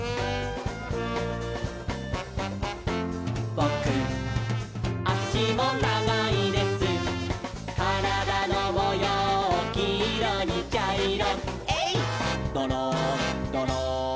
「ぼくあしもながいです」「からだのもようきいろにちゃいろ」「えいっどろんどろん」